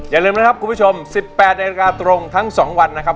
อย่าลืมนะครับคุณผู้ชม๑๘นาฬิกาตรงทั้ง๒วันนะครับ